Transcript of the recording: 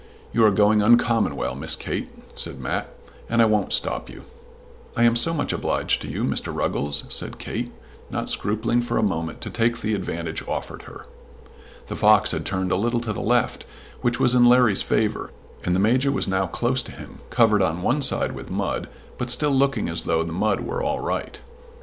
"You are going uncommon well, Miss Kate," said Mat, "and I won't stop you." "I am so much obliged to you, Mr. Ruggles," said Kate, not scrupling for a moment to take the advantage offered her. The fox had turned a little to the left, which was in Larry's favour, and the Major was now close to him, covered on one side with mud, but still looking as though the mud were all right.